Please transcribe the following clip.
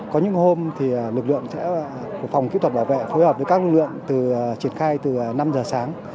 có những hôm lực lượng sẽ của phòng kỹ thuật bảo vệ phối hợp với các lực lượng triển khai từ năm giờ sáng